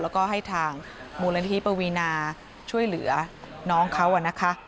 แล้วก็ให้ทางมูลนิธิปวีนาช่วยเหลือน้องเขานะคะ